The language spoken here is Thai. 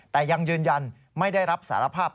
แต่ยังยืนยันไม่ได้รับสารภาพ